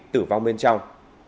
tử vong bên trong